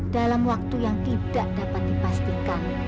dalam waktu yang tidak dapat dipastikan